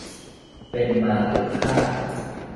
เป็นมาตุฆาต